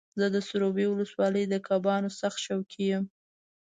زه د سروبي ولسوالۍ د کبانو سخت شوقي یم.